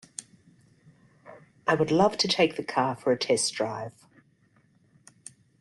I would love to take the car for a test drive.